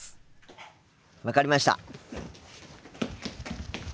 分かりました！